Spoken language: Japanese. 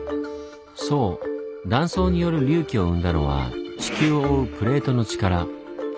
断層による隆起を生んだのは地球を覆うプレートの力。